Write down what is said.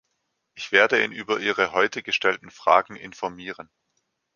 Ich werde ihn über Ihre heute gestellten Fragen informieren.